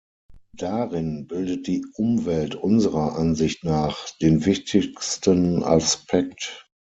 Darin bildet die Umwelt unserer Ansicht nach den wichtigsten Aspekt.